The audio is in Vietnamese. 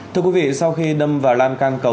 thưa quý vị sau khi đâm vào lan can cầu